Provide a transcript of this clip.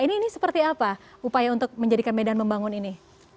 ini seperti apa upaya untuk menjadikan medan membangun ini